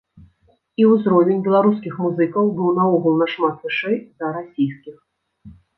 І ўзровень беларускіх музыкаў быў наогул нашмат вышэй за расійскіх.